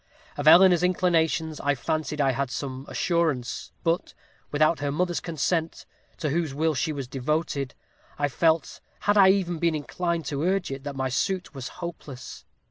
Of Eleanor's inclinations I fancied I had some assurance; but without her mother's consent, to whose will she was devoted, I felt, had I even been inclined to urge it, that my suit was hopeless.